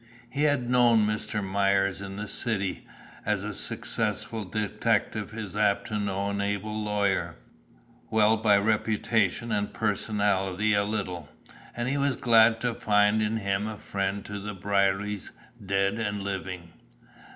He had known Mr. Myers in the city, as a successful detective is apt to know an able lawyer, well by reputation and personally a little, and he was glad to find in him a friend to the Brierlys, dead and living.